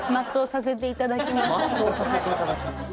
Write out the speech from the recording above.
「全うさせていただきます」。